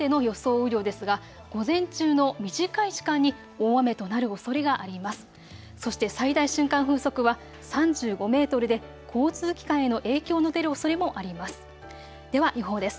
雨量ですが午前中の短い時間に大雨となるおそれがあります。